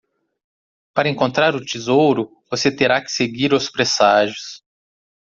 Para encontrar o tesouro? você terá que seguir os presságios.